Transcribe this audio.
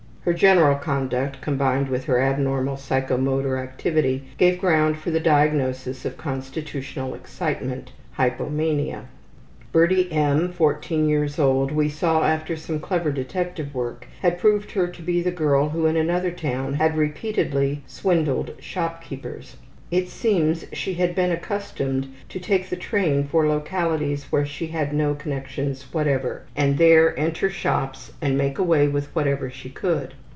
Her general conduct combined with her abnormal psychomotor activity gave ground for the diagnosis of constitutional excitement hypomania. Birdie M., 14 years old, we saw after some clever detective work had proved her to be the girl who in another town had repeatedly swindled shop keepers. It seems she had been accustomed to take the train for localities where she had no connections whatever, and there enter shops and make away with whatever she could.